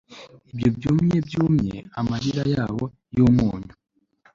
ibyo byumye byumye amarira yabo yumunyu